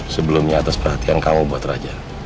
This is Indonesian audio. sebelumnya atas perhatian kamu buat raja